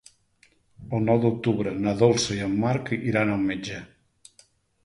El nou d'octubre na Dolça i en Marc iran al metge.